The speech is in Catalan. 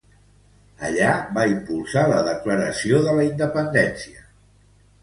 Allí va impulsar la declaració de la independència.